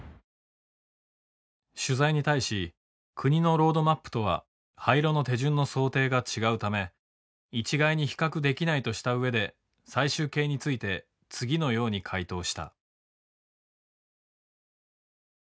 取材に対し国のロードマップとは廃炉の手順の想定が違うため一概に比較できないとした上で最終形について次のように回答した。